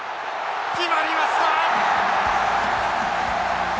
決まりました！